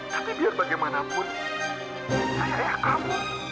tapi biar bagaimanapun ayah kamu